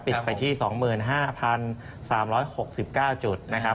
ไปที่๒๕๓๖๙จุดนะครับ